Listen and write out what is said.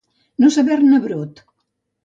No saber-ne brot.